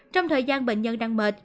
trong thời gian bệnh nhân đang mệt